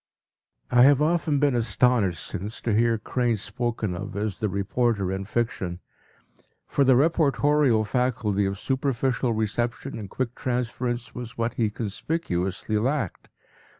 p> I have often been astonished since to hear Crane spoken of as “the reporter in fiction,” for the reportorial faculty of superficial reception and quick transference was what he conspicuously lacked.